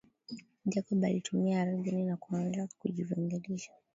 Jacob alitua ardhini na kuanza kujivingirisha